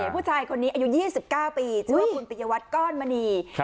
ผู้ชายคนนี้อายุ๒๙ปีชื่อว่าคุณปิยวัตรก้อนมณี